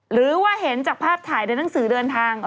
หรือว่าเห็นจากภาพถ่ายในหนังสือเดินทาง